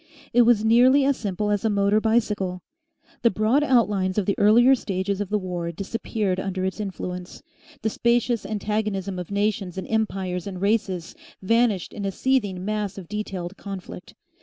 It was nearly as simple as a motor bicycle. The broad outlines of the earlier stages of the war disappeared under its influence, the spacious antagonism of nations and empires and races vanished in a seething mass of detailed conflict.